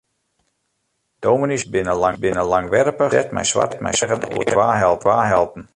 Dominyshoutsjes binne langwerpich en beset mei swarte eagen oer twa helten.